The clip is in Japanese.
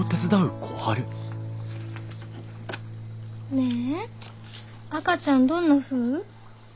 ねえ赤ちゃんどんなふう？